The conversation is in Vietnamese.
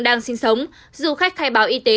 đang sinh sống du khách khai báo y tế